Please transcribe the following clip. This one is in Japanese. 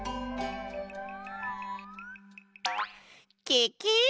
ケケ！